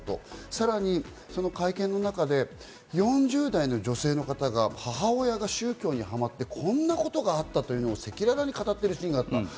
さらにその会見の中で４０代の女性の方が母親が宗教にはまってこんなことがあったというのを赤裸々に語っているシーンがあった。